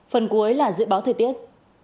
phần cuối là dự báo thời tiết